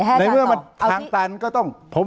ในเมื่อมันทางตันก็ต้อง